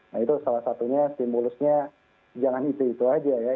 nah itu salah satunya stimulusnya jangan itu itu aja ya